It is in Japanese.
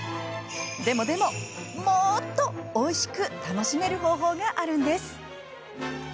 でもでももっとおいしく楽しめる方法があるんです。